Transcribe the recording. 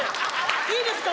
いいですか？